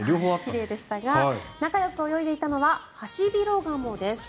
奇麗でしたが仲よく泳いでいたのはハシビロガモです。